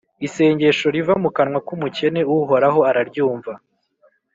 Isengesho riva mu kanwa k’umukene, Uhoraho araryumva,